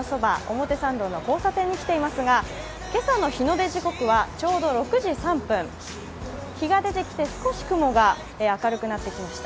表参道の交差点に来ていますが今朝の日の出時刻はちょうど６時３分日が出てきて少し雲が明るくなってきました。